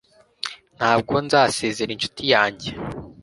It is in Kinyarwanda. ntabwo nzasezera nshuti yanjye